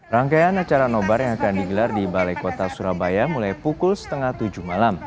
rangkaian acara nobar yang akan digelar di balai kota surabaya mulai pukul setengah tujuh malam